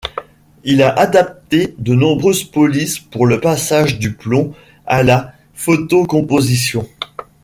Il a adapté de nombreuses polices pour le passage du plomb à la photocomposition.